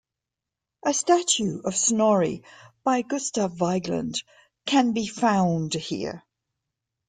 A statue of Snorri by Gustav Vigeland can be found here.